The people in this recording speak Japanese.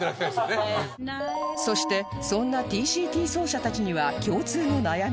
そしてそんな ＴＣＴ 奏者たちには共通の悩みが